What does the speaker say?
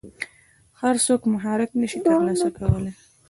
هر څوک مهارت نشي ترلاسه کولی.